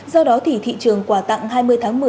do đó thì thị trường quà tặng hai mươi tháng một mươi